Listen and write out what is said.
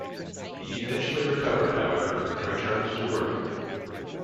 He eventually recovered, however, and returned to work.